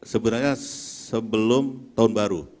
sebenarnya sebelum tahun baru